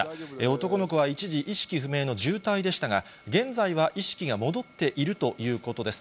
男の子は一時、意識不明の重体でしたが、現在は意識が戻っているということです。